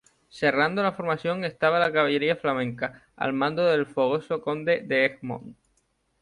Cerrando la formación estaba la caballería flamenca, al mando del fogoso Conde de Egmont.